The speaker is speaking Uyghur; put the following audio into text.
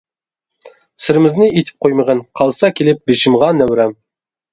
سىرىمىزنى ئېيتىپ قويمىغىن، قالسا كېلىپ بېشىمغا نەۋرەم.